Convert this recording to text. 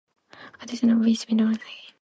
A decision which ultimately cost him his life.